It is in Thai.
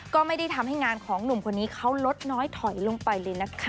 ก็ไม่ได้ทำให้งานของหนุ่มคนนี้เขาลดน้อยถอยลงไปเลยนะคะ